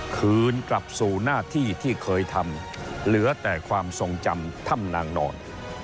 คืนกลับสู่หน้าที่ที่เคยทำเหลือแต่ความทรงจำถ้ำนางนอน